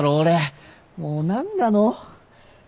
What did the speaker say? も何なの。